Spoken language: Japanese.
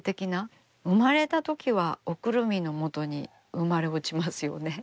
生まれたときはおくるみのもとに生まれ落ちますよね。